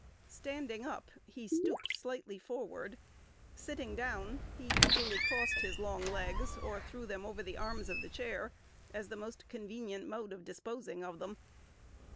Standing up, he stooped slightly forward; sitting down, he usually crossed his long legs, or threw them over the arms of the chair, as the most convenient mode of disposing of them.